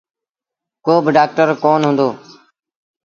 ڪو با ڊآڪٽر ڪونا هُݩدو۔